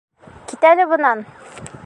Кит әле бынан!..